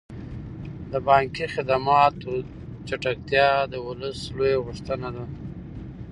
د بانکي خدماتو چټکتیا د ولس لویه غوښتنه ده.